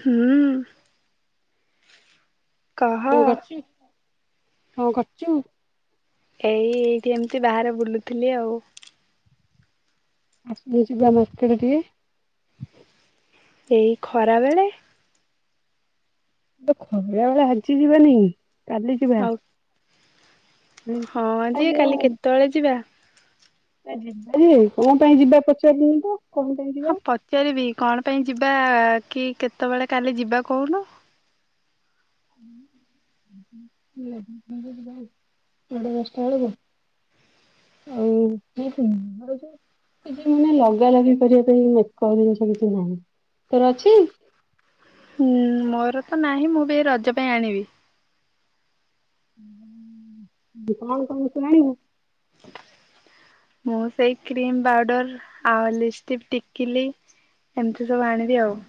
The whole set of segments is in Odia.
ହୁଁ କହ କଣ କରୁଛୁ କଣ କରଚୁ ଏଇ ଏଇଠି ଏମତି ବାହାରେ ବୁଲୁଥିଲି ଆଉ ଆସଜ ମାର୍କେଟ ଟିକେ- ଏଇ ଖରା ବେଳେ ଖରାବେଳେ ଆଜି ଯିବାନି କାଲି ଯିବା ଆଉ ହଁ ଆ ଯିଏ କାଲି ଯୋଉ କେତେବେଳେ ଯିବା? ଯିବା ଯେ କଣ ପାଇଁ ଯିବା ପଚାରିଲନି ତ- କଣ ପାଇଁ ଯିବା ହଁ ପଚାରିବି କଣ ପାଇଁ ଯିବା କି କେତେବେଳେ କାଲି ଯିବା କହୁନୁ ସାଢେ ଦଶଟା ବେଳକୁ ଆଉ ମାନେ ଲଗା ଲଗି କରିବା ପାଇଁ ଜିନିଷ କିଛି ନାହିଁ ତୋର ଅଛି ହୁଁ ମୋର ତ ନାହିଁ ମୁଁ ବି ରଜ ପାଇଁ ଆଣିବି। [unintelligible] ମୁଁ ସେଇ କ୍ରିମ ପାଉଡର ଆଉ ଲପଷ୍ଟିକ୍ ଟିକିଲି ଏମିତି ସବୁ ଆଣିବି ଆଉ।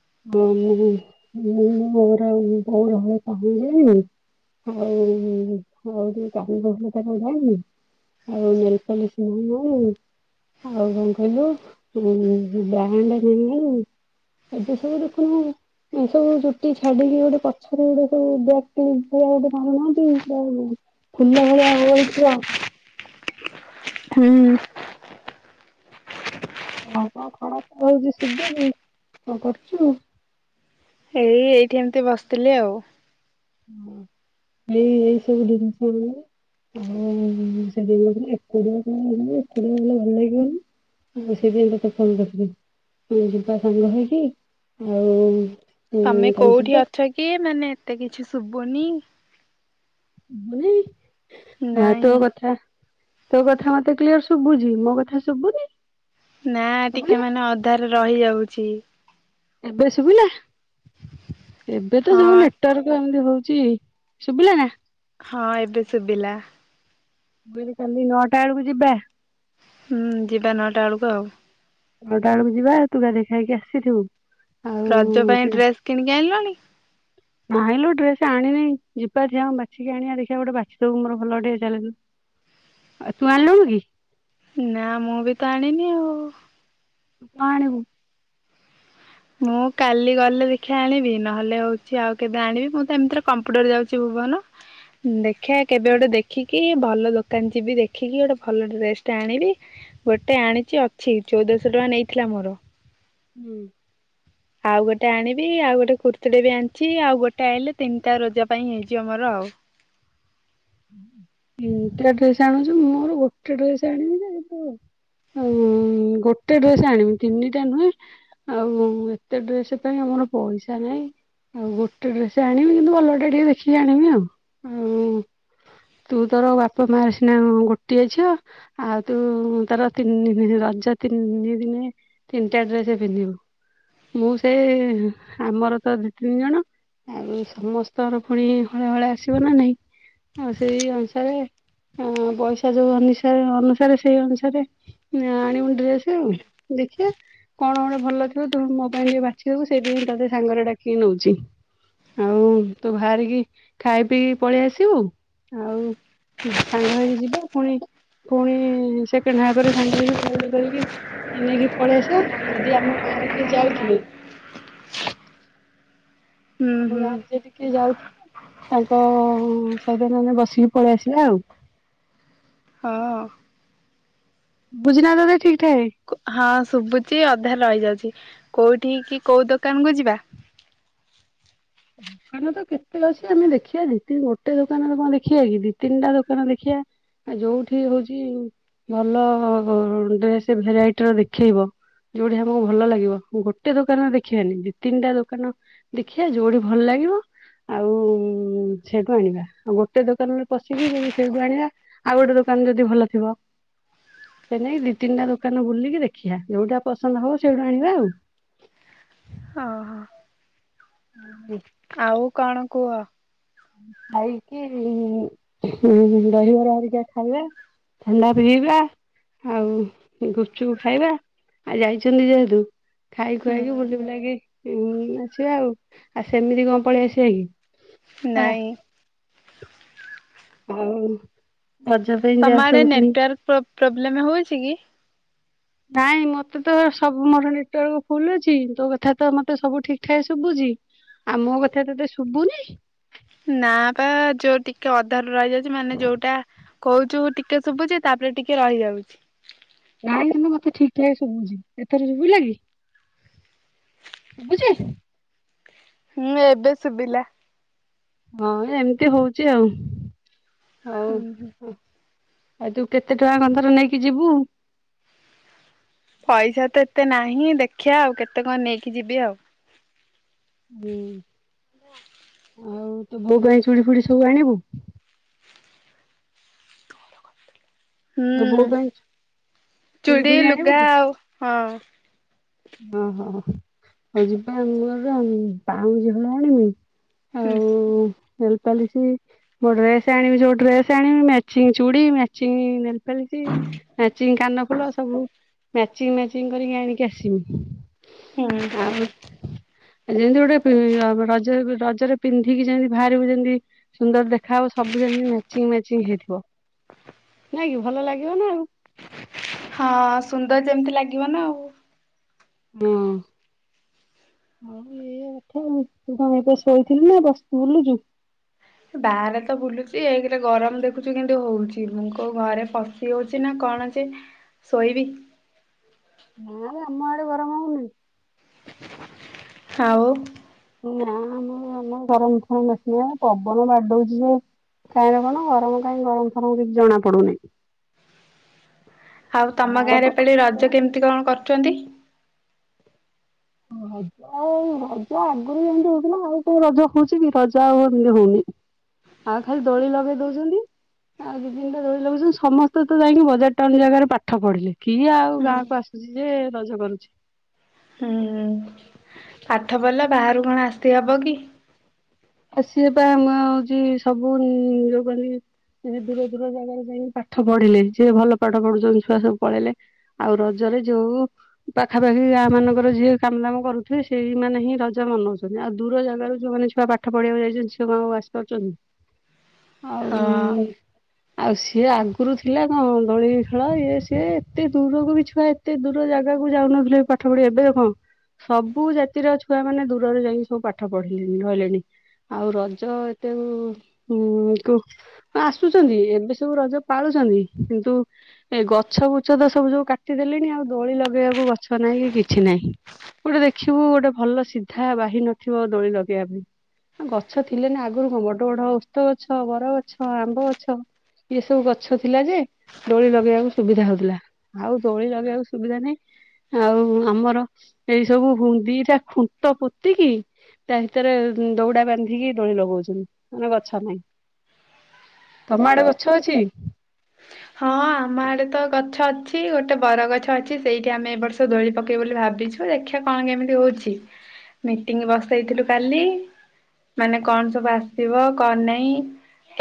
ହଁ ମୁଁ [unintelligible] ସବୁ ଦେଖୁନୁ ଏ ସବୁ ଚୁଟି ଛାଡିକି ଗୋଟେ ପଛରେ ଗୋଟେ ସବୁ ବ୍ୟାକ କ୍ଲିପ ଗୋଟେ ମାରୁନାହାନ୍ତି ଫୁଲା ଭଳିଆଥିବ। ହୁଁ ହଁ କଣ ଖରା ଖୁଆ ଇ ହଉଛି ଶୁଭନି କଣ କରୁଛୁ। ଏଇ ଏଇଠି ଏମତି ବସିଥିଲି ଆଉ। ହ ଏଇ ଏଇ ସବୁ ଜିନିଷ ଆଉ ସେଦିନ ଏକୁଡିଆ କଣ ଏକୁଡିଆ ଗଲେ ଭଲ ଲାଗିବନି ଆଉ ସେଦିନ ତତେ [unintelligible] ଭଲ କରିଥିଲ ଯିବା। ସାଙ୍ଗ ହେଇକି ଆଉ ତମେ କାଲି କୋଉଠି ଯିବା ଅଛ କି ମାନେ। ଏତେ କିଛି ଶୁଭନି। [unintelligible] ଏ ତୋ ନାଇଁ। କଥା। ତୋ କଥା ମତେ କ୍ଲିୟର ଶୁଭୁଛି ମୋ କଥା ଶୁଭୁନି। ନା ଟିକେ ଶୁଭିଲା ମାନେ ଅଧାରେ ରହିଯାଉ ରହୁଛିି। ଏବେ ଶୁଭୁିଲା। ଏବେ ତ ଯୋଉ ହଁ ଲେଟରକ ଏମିତି ହଉ ଶୁଭିଳ ନା। ହଁ ଏବେ ଶୁଭିଲା। ମୁଇ କଲି ନଅ ବେଳକୁ ଯିବା। ହୁଁ ଯିବା ନଅଟା ବେଳକୁ ଆଉ। ନଅଟା ବେଳକୁ ଯିବା ତୁ ଗାଧେଇ ଖାଇକି ଆସିଥିବୁ। ଆଉ ରଜ ପାଇଁ କିଣା ଡ୍ରେସ କିଣିକି ଆଣିଲଣି। ସେ ଆଣିନି ଯିବାର ଯ ଆ ବାଛିକି ଆଣିବା ଦେଖିବା ଗୋଟେ ବାଛିଦବୁ ମୋର ଭଲ ଟିକେ ଚାଲ ଆଉ ତୁ ଆଣିଲୁ କି। ନା ମୁଁ ବି ତ ଆଣିନି ଆଉ। ଆଣିବୁ। ମୁଁ କାଲି ଗଲେ ଦେଖିବା ଆଣିବି ନହେଲେ ହଉଛି ଆଉ କେବେ ଆଣିବି ମୁଁ ତ ଏମିତିରେ କମ୍ପୁଟର ଯାଉଛି ଭୁବନ ଦେ ଦେଖା କେବେ ଗୋଟେ ଦେଖି କି ଭଲ ଦୋକାନ ଯିବି ଦେଖିକି ଗୋଟେ ଭଲ ଡ୍ରେସ ଟା ଆଣିବି ଗୋଟେ ଆଣିଛି ଅଛି ଚଉଦଶହ ଟଙ୍କା ନେଇଥିଲା ମୋର। ହୁଁ ଆଉ ଗୋଟେ ଆଣିବି ଆଉ ଗୋଟେ କୁର୍ତ୍ତୀ ଟଟେ ବି ଆଣିଛି ଆଉ ଗୋଟେ ଆଣିଲେ ତିନିଟା ରଜ ପାଇଁ ହେଇଛି ଆମର ଆଉ। ଡ ଆଣୁଛ ମୋର ଗୋଟେ ଡେସ ଆଣିବି ଗୋଟେ ଡ୍ରେସ ଆଣିବି ତିନିଟା ନୁହେଁ ଆଉ ଏତେ ଡ୍ରେସ ପାଇଁ ଆମର ପଇସା ନାହିଁ ଆଉ ଗୋଟେ ଡ୍ରେସ ଆଣିବି କିନ୍ତୁ ଭଲଟେ ଟିକେ ଦେଖିକି ଆଣିବି ଆଉ। ତୁ ତୋର ବାପା ମା ସିନା ଗୋଟିଏ ଝିଅ ଆଉ ତୁ ତାର ତିନି ରଜ ତିନି ଦିନେ ତିନିଟା ଡ୍ରେସ ପିନ୍ଧିବୁ ମୁଁ ସେ ଆମର ତ ଦି ତିନି ଜଣ ଆଉ ସମସ୍ତଙ୍କର ପୁଣି ହଳ ହଳେ ଆସିବ ନା ନାଇଁ। ଆଉ ସେଇ ଅନୁସାରେ ପଇସା ଯୋଉ ଅନସାରେ ଅନୁସାରେ ସେଇ ଅନୁସାରେ ଆଣିବ ଆସ ଆଉ ଦେଖିବା କଣ ଗୋଟେ ଭଲ ଥିବ ତୁ ମୋ ପାଇଁ ଟିକେ ବାଛିଦବୁ ସେଇଠିକେ ହିଁ ତତେ ସାଙ୍ଗରେ ଡାକିକି ନଉଛି ଆଉ ତୁ ବାହାରିକି ଖାଇ ପିଇ ପଳେଇ ଆସିବୁ। ଆଉ ସାଙ୍ଗ ହେଇକି ଯିବା ପୁଣି ପୁଣି ସେକେଣ୍ଡ ହେବା ପରେ ସାଙ୍ଗ ହେଇକି ବୁଲାବୁଲି କରିକି ନେଇକି ପଳେଇ ଆସିବା ଯଦି ଆମ ଗାଁରେ କିଏ ଯାଉଥିଲେ। ହୁଁ ଆମ ହୁଁ ଗାଁରେ ଯଦି କିଏ ଯାଉଥା ତାଙ୍କ ସଇତନ ମାନେ ବସିକି ପଳେଇ ଆସିବା ଆଉ। ହଁ। ବୁଝିନ ତେ ଠିକ ଠାକ। ହଁ ଶୁଭୁଚଛି ଅଧା ରହିଯାଉଛି କୋଉଠି କି କୋଉ ଦୋକାନ କୁ ଯିବା। ଦୋକାନ ତ କେତେ ଅଛି ଆମେ ଦେଖିବା ଦ ଗୋଟେ ଦୋକାନରେ କଣ ଦେଖିବା କି ଦି ତିନିଟା ଦୋକାନ ଦେଖିବା ଯୋଉଠି ହଉଛି ଭଲ ଡ୍ରେସ ଭେରାଇଟିର ଦେଖେଇବ ଯୋଉଠି ଆମକୁ ଭଲ ଲାଗିବ ଗୋଟେ ଦୋକାନରେ ଦେଖିବାାନି ଦି ତିନିଟା ଦୋକାନ ଦେଖିବା ଯୋଉଠି। ଭଲ ଲାଗିବ ଆଉ ସେଇଠୁ ଆଣିବା ଆଉ ଗୋଟେ ଦୋକାନରେ ପଶିକି ଯଦି ସେଇଠୁ ଆଣିବା ଆଉ ଗୋଟେ ଦୋକାନ ଯଦି ଭଲ ଥିବ ସେ ନେଇକି ଦି ତିନିଟା ଦୋକାନ ବୁଲିକି ଦେଖିବା ଯୋଉଟା ପସନ୍ଦ ହବ ସେଇଠୁ ଆଣିବା ଆଉ। ଓହୋ ହ ଆଉ କଣ କୁହ। ଖାଇକି ଦହିବରା ହରିକା ଖାଇବା ଥଣ୍ଡା ପିଇବା ଆଉ ଗୁପଚୁକୁ ଖାଇବା ଆଉ ଯାଇଛନ୍ତି ଯେହେତୁ ଖାଇ ଖୁଆଇକି ହୁଁ ବୁଲି ବୁଲାେଇକି ଆସିବା ଆଉ ଆଉ ସେମିତି କଣ ପଳେଇ ଆସିବା କି। ନାଇଁ। ହଉ ତମ ଆଡେ ନେଟୱାର୍କ ପ୍ରୋବ୍ଲେମ ହଉଛି କି? ନାଇଁ ମତେ ତ ସବୁ ମୋର ନେଟୱାର୍କ ଫୁଲ ଅଛି ତୋ କଥା ତ ମତେ ସବୁ ଠିକ ଠାକ ଶୁଭୁଛି ଆଉ ମୋ କଥା ତତେ ଶୁଭୁନି। ନା ବା ଯୋଉ ଟିକେ ଅଧାର ରା ମାନେ ଯୋଉଟା କହୁଛୁ ମୁ ଟିକେ ଶୁଭୁଛି ତାପରେ ଟିକେ ରହିଯାଉଛି। କାଇଁ ମତେ ଠିକ ଠାକ ଶୁଭୁଛି ଏଥର ଶୁଭୁିଲା କି ଶୁଭୁଛି। ହୁଁ ଏବେ ସୁଭିଲ। ହଁ ଏମିତି ହଉଛି ଆଉ। ହଉ ହୁଁ ହୁଁ ହ ଆଉ ତୁ କେତେ ଟଙ୍କା କଥର ନେଇକି ଯିବୁ। ପଇସା ତ ଏତେ ନାହିଁ ଦେଖିବା ଆଉ କେତେ କଣ ନେଇକି ଯିବି ଆଉ। ହୁଁ ଆଉ ତ ବୋଗଇ ଚୁଡ଼ି ଫୁଡି ସବୁ ଆଣିବୁ। ତୋ ବୋଉ ହୁଁ ପାଇଁ ଚୁଡ଼ି ଫୁଡି ଆଣିବୁ ଲୁଗା କି ଆଉ ହଁ। ଓହୋ ହଉ ଯିବା ଆମ ଘର ଆ ପାଉଛି ଭଳି ଆଣମି ହୁଁ ନେଲପଲି ସୋ ଡ୍ରେସ ଆଣିବି ଯୋଉ ଡ୍ରେସ ଆଣିବି ମ୍ୟାଚିଂ ଚୁ ମଚଂ। ଖେଳି ଚିଙ୍କାନ। ଫୁଲ ସବୁ ମ୍ୟାଚିଂ ମ୍ୟାଚିଂ କରିକି ଆଣିକି ଆସିମି। ହୁଁ ଆଉ। ଯେମିତି ଗୋଟେ ରଜ ରଜରେ ପିନ୍ଧିକି ଯେମିତି ବାହାରକୁ ଯେମିତି ସୁନ୍ଦର ଦେଖ। ଖ ସବୁି ମଚ ହେଇଥିବ ନାଇଁ କି ଭଲ ଲାଗିବ ନା ଆଉ। ହଁ ସୁନ୍ଦର ଯେମିତି ଲାଗିବ ନା ଆଉ। ହଁ। ହଉ ଏଇଆ କଥା ଆଉ। ତୁ କଣ ଏବେ ଶୋଇଥିଲୁ ନା ବସି ବୁଲୁଛୁ? ବାହାରେ ତ ବୁଲୁଛି ଏକରେ ଗରମ ଦେଖୁଛୁ କେମିତି ହଉଛି। ମୁଁ କୋଉ ଘରେ ପଶି ହଉଛି ନା କଣ ଅଛି ଶୋଇବି? ନାଁ ଆମ ଆଡ଼େ ଗରମ ହଉନି। ଆଉ ନା ଆମ ଆମ ଗରମ [unintelligible] ପବନ ବାଡଉଛି ଯେ କାହିଁରେ କଣ ଗରମ କାହିଁକି ଗରମ ଫରମ କିଛି ଜଣା ପଡୁନି। ଆଉ ତମ ଝାଳ ତ ଗାଁରେ ଏ ପାଳି ରଜ କେମିତି କଣ କରୁଛନ୍ତି? ରଜ ଆଉ ରଜ ଆଗରୁ ଯେମିତି ହଉଥିଲା ଆଉ କୋଉ ରଜ ହଉଛି କି ରଜା ଆଉ ଏମିତି ହଉନି। ଆଉ ଖାଲି ଦୋଳି ଲଗେଇ ଦଉଛନ୍ତି। ଆଉ ଦି ତିନିଟା ଦୋଳି ଲଗଉଛନ୍ତି। ସମସ୍ତେ ତ ଯାଇକି ବଜାର ଟାଉନ ଜାଗାରେ ପାଠ ପଢିଲେ। କିଏ ଆଉ ହୁଁ ଗାଁକୁ ଆସୁଛି ଯେ ରଜ କରୁଛି। ହୁଁ ପାଠ ପଢିଲେ ବାହାରୁ କଣ ଆସି ହବ କି? ଆସିବା ପାଇଁ ଆମ ହଉଛି ସବୁ ଯ [unintelligible] ଏବେ ଦୂର ଦୂର ଜାଗାରେ ଯାଇ ପାଠ ପଢିଲେ। ଯିଏ ଭଲ ପାଠ ପଢୁଛନ୍ତି ଛୁଆ ସବୁ ପଳେଇଲେ। ଆଉ ରଜରେ ଯୋଉ ପାଖାପାଖି ଗାଁ ମାନଙ୍କର ଯିଏ କାମ ଦାମ କରୁଥିବେ, ସେଇମାନୋନେ ହିଁ ରଜ ମନଉଛନ୍ତି। ଆଉ ଦୂର ଜାଗାରୁ ଯୋଉମାନେ ଛୁଆ ପା ପାଠ ପଢିବାକୁ ଯାଇଛନ୍ତି ସେ କଣ ଆଉ ଆସିପାରୁଛନ୍ତି? ହଁ ଆଉ ଆଉ ସିଏ ଆଗରୁ ଥିଲା କଣ? ଦୋଳି ଖେଳ ଇଏ ସିଏ, ଏତେ ଦୂରକୁ ବି ଛୁଆ ଏତେ ଦୂର ଜାଗାକୁ ଯାଉନଥିଲେ ପାଠ ପଢିବା ପାଇଁ। ଆଉ ଏବେ କଣ ସବୁ ଜାତିର ଛୁଆ ମାନେ ଦୂରରେ ଯାଇକି ସବୁ ପାଠ ପଢିଲେଣି ରହିଲେଣି। ଆଉ ରଜ ଏତେ ଉମ୍ କୁ ଆସୁଛନ୍ତି। ଏବେ ସବୁ ରଜ ପାଳୁଛନ୍ତି। କିନ୍ତୁ ଏ ଗଛ ବୁଛ ତ ସବୁ ସବୁ କାଟିଦେଲେଣି ଆଉ ଦୋଳି ଲଗେଇବାକୁ ଗଛ ନାହିଁ କି କିଛି ନାହିଁ। ଗୋଟେ ଦେଖିବୁ ଗୋଟେ ଭଲ ସିଧା ବାହି ନଥିବ ଦୋଳି ଲଗେଇବା ପାଇଁ। ଗଛ ଥିଲେ ନା ଆଗରୁ କଣ, ବଡ ବଡ ଓସ୍ତଗଛ, ବରଗଛ, ଆମ୍ବ ଗଛ, ଏ ସବୁ ଗଛ ଥିଲା ଯେ ଦୋଳି ଲଗେଇବାକୁ ସୁବିଧା ହଉଥିଲା। ଆଉ ଦୋଳି ଲଗେଇବାକୁ ସୁବିଧା ନାହିଁ। ଆଉ ଆମର ଏଇ ସବୁ ଦିଟା ଖୁଣ୍ଟ ପୋତିକି, ତା ଭିତରେ ଦଉଡା ବାନ୍ଧିକି ଦୋଳି ଲଗଉଛନ୍ତି ମାନେ ଗଛ ନାହିଁ। ତମ ଆଡେ ଗଛ ଅଛି? ହଁ ଆମ ଆଡେ ତ ଗଛ ଅଛି, ଗୋଟେ ବର ଗଛ ଅଛି ସେଇଠି ଆମେ ଏ ବର୍ଷ ଦୋଳି ପକେଇ ବୋଲି ଭାବିଛୁ। ଦେଖିବା କଣ କେମିତି ହଉଛି। ମିଟିଂ ବସେଇଥିଲୁ କାଲି। ମାନେ କଣ ସବୁ ଆସିବ କଣ ନାଇଁ।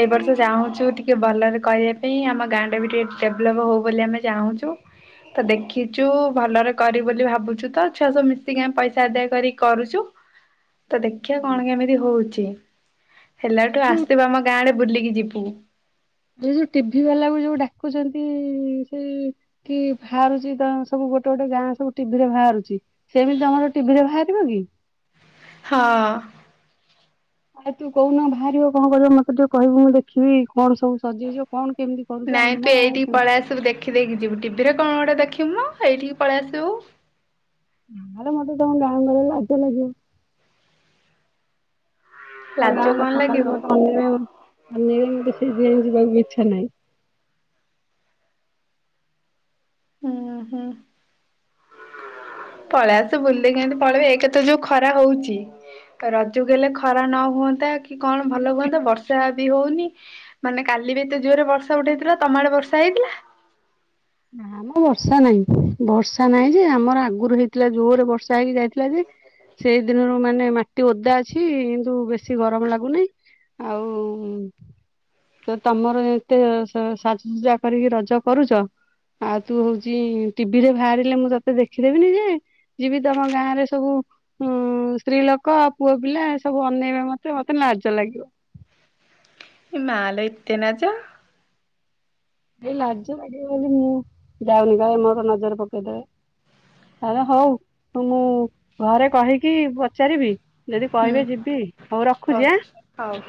ଏ ବର୍ଷ ଚାହୁଁଛୁ ଟିକେ ଭଲରେ କରିବା ପାଇଁ। ଆମ ଗାଁ ଟା ବି ଟିକେ ଡେଭଲପ ହଉ ବୋଲି ଆମେ ଚାହୁଁଛୁ। ତ ଦେଖିଛୁ ଭଲରେ କରି ବୋଲି ଭାବୁଛୁ। ତ ଛୁଆ ସବୁ ମିଶିକି ଆମେ ପଇସା ଆଦାୟ କରି କରୁଛୁ। ତ ଦେଖିବା କଣ କେମିତି ହଉଛି। ତି ଏ ହେଲାଠୁ ଯୋଉ ଆସିବୁ ଆମ ଗାଁ ଆଡ଼େ ବୁଲିକି ଯିବୁ। ଏ ଯୋଉ ଟିଭି ବାଲାକୁ ଯୋଉ ଡାକୁଛନ୍ତି? ସେ କି ବାହାରୁଛି ସବୁ ଗୋଟେ ଗୋଟେ ଗାଁ ସବୁ ଟିଭିରେ ବାହାରୁଛି? ସେମିତି ତମର ଟିଭିରେ ବାହାରିବ କି? ହଁ। ଆରେ ତୁ କହୁନୁ ବାହାରିବ କଣ କରିବ? ମତେ ଟିକେ କହିବୁ ମୁଁ ଦେଖିବି। କଣ ସବୁ ସଜେଇଛ କଣ କେମିତି କରୁଛ ନାଇଁ ଆମ ତୁ ଗାଁ ଏଇଠିକି ପଳେଇ ଆ ସବୁ ଦେଖିଦେଇ କି ଯିବୁ ଟିଭିରେ କଣ ଗୋଟେ ଦେଖି ନାଇଁ ମ ଏଇଠିକି ପଳେଇ ଆସିବୁ। ନାଇଁଲୋ ମତେ ତମ ଗାଁ ଗହଳିରେ ଲାଜ ଲାଗିବ। ଲାଜ ଗାଁ କଣ ଲୋକ ଲାଗିବ ଖାଲି ମତେ ଅନେଇବେ। ମତେ ସେଇଥିପାଇଁ ଯିବାକୁ ଇଚ୍ଛା ନାହିଁ। ହୁଁ ହୁଁ । ପଳେଇ ଆସ ବୁଲିଦେଇକି ଏମିତି ପଳେଇବୁ। ଏକତ ଯୋଉ ଖରା ହଉଛି? ରଜ କୁ ହେଲେ ଖରା ନ ହୁଅନ୍ତା କି କଣ ଭଲ ହୁଅନ୍ତା? ବର୍ଷା ବି ହଉନି। ମାନେ କାଲି ବି ଏତେ ଜୋରରେ ବର୍ଷା ଉଠେଇଥିଲା। ତମ ଆଡେ ବର୍ଷା ହେଇଥିଲା? ନାଁ ମ ବର୍ଷା ନାହିଁ। ବର୍ଷା ନାହିଁ ଯେ ଆମର ଆଗରୁ ହେଇଥିଲା ଜୋରେ ବର୍ଷା ହେଇକି ଯାଇଥିଲା ଯେ, ସେଇ ଦିନରୁ ମାନେ ମାଟି ଓଦା ଅଛି। କିନ୍ତୁ ବେଶୀ ଗରମ ଲାଗୁନାହିଁ। ଆଉ ସେ ତମର ଏତେ ସାଜସଜା କରିକି ରଜ କରୁଛ? ଆଉ ତୁ ହଉଛି ଟିଭିରେ ବାହାରିଲେ ମୁଁ ତତେ ଦେଖିଦେବିନି, ଯେ ଯିବି ତମ ଗାଁ ରେ ସବୁ ଉମ୍ ସ୍ତ୍ରୀ ଲୋକ, ପୁଅ ପିଲା ଏ ସବୁ ଅନେଇବେ ମତେ, ମତେ ଲାଜ ଲାଗିବ।। ଏ ମାଲୋ ଏତେ ଲାଜ? ଏ ଲାଜ ମାଡ଼ିବ ବୋଲି ମୁଁ ଯାଉନି ବା। ମୋର ନଜର ପକେଇଦେବେ। ଆରେ ହଉ ମୁଁ ଘରେ କହିକି ପଚାରିବି? ଯଦି ହୁଁ କହିବେ ଯିବି। ହଉ ରଖୁଛି ଆଁ। ହଉ।